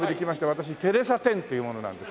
私テレサ・テンっていう者なんですけども。